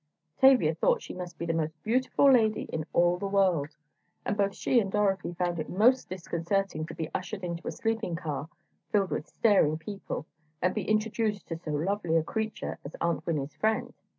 Tavia thought she must be the most beautiful lady in all the world, and both she and Dorothy found it most disconcerting to be ushered into a sleeping car filled with staring people, and be introduced to so lovely a creature as Aunt Winnie's friend.